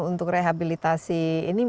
untuk rehabilitasi ini